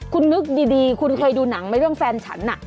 คุณนึกดีคุณเคยดูหนังไหมเรื่องแฟนฉัน